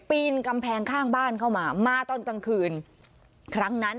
ปีนกำแพงข้างบ้านเข้ามามาตอนกลางคืนครั้งนั้น